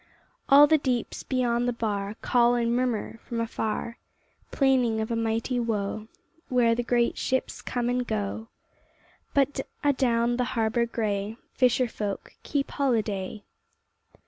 All the deeps beyond the bar Call and murmur from afar, Tlaining of a mighty woe Where the great ships come and go, But adown the harbor gray Fisher folk keep holiday.